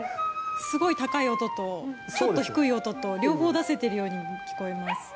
すごい高い音とちょっと低い音と両方出せているように聞こえます。